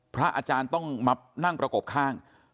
พระอาจารย์ต้องมานั่งประกบข้าง